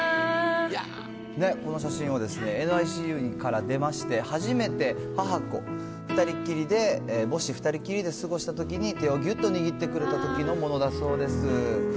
この写真はＮＩＣＵから出まして、初めて母子、２人っきりで、母子２人っきりで過ごしたときに、手をぎゅっと握ってくれたものだそうです。